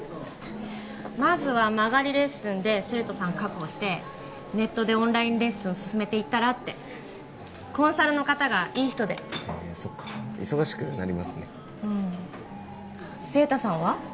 まずは間借りレッスンで生徒さん確保してネットでオンラインレッスンを進めていったらってコンサルの方がいい人でへえそっか忙しくなりますねうん晴太さんは？